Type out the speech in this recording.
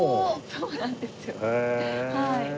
そうなんですよはい。